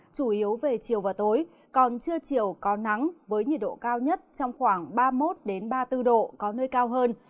chủ yếu về chiều và tối còn trưa chiều có nắng với nhiệt độ cao nhất trong khoảng ba mươi một ba mươi bốn độ có nơi cao hơn